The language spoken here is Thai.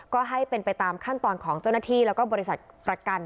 ก็ให้เป็นไปตามขั้นตอนของเจ้าหน้าที่แล้วก็บริษัทประกัน